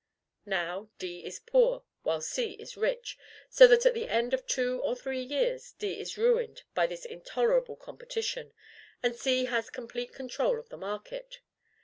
Now, D is poor, while C is rich; so that at the end of two or three years D is ruined by this intolerable competition, and C has complete control of the market.